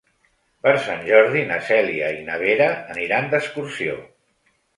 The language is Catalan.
Per Sant Jordi na Cèlia i na Vera aniran d'excursió.